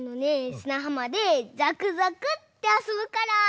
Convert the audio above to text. すなはまでざくざくってあそぶから。